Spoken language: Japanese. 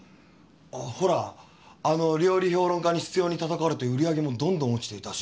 ほらあの料理評論家に執拗にたたかれて売り上げもどんどん落ちていたし。